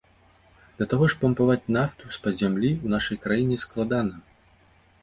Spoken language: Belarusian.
Да таго ж пампаваць нафту з-пад зямлі ў нашай краіне складана.